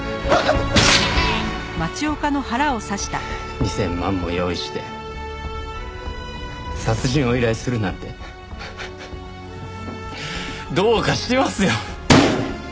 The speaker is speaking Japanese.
２０００万も用意して殺人を依頼するなんてどうかしてますよ。